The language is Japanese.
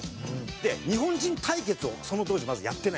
で日本人対決をその当時まずやってないんですよ。